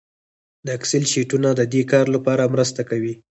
د اکسل شیټونه د دې کار لپاره مرسته کوي